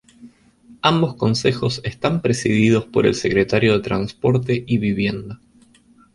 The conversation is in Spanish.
Ambos consejos están presididos por el Secretario de Transporte y Vivienda.